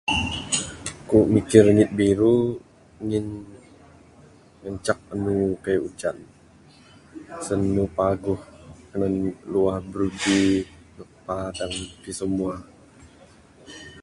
Kuk mikir rangit biru ngin ngancak andu kai' ujan. San andu paguh tinan luah birubi da padang ti semua.